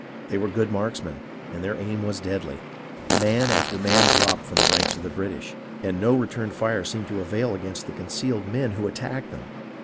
They were good marksmen, and their aim was deadly. Man after man dropped from the ranks of the British, and no return fire seemed to avail against the concealed men who attacked them.